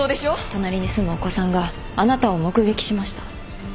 隣に住むお子さんがあなたを目撃しました。